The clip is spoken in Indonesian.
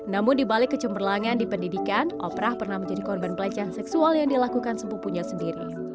namun dibalik kecemberlangan di pendidikan oprah pernah menjadi korban pelecehan seksual yang dilakukan sepupunya sendiri